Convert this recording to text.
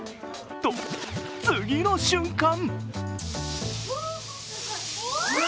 と、次の瞬間！